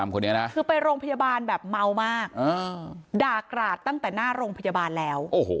คนนี้นะคือไปโรงพยาบาลแบบเมามากด่ากราดตั้งแต่หน้าโรงพยาบาลแล้ว